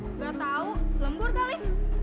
nggak tahu lembur kali